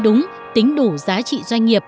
đúng tính đủ giá trị doanh nghiệp